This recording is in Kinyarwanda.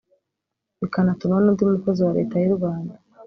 bikanatuma n’undi mukozi wa Leta y’u Rwanda